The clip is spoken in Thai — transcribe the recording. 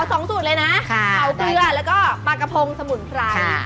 สองสูตรเลยนะเผาเกลือแล้วก็ปลากระพงสมุนไพร